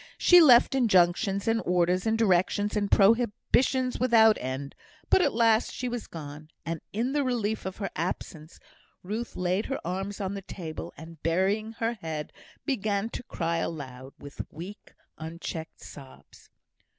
She left injunctions, and orders, and directions, and prohibitions without end; but at last she was gone, and in the relief of her absence, Ruth laid her arms on the table, and, burying her head, began to cry aloud, with weak, unchecked sobs.